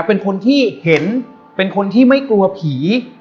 เป็นคนที่เห็นเป็นคนที่ไม่กลัวผี